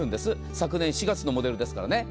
昨年４月のモデルですからね。